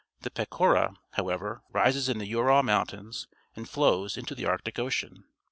The Pechora, however, rises in the Ural Mountains and flows into the Arctic Ocean.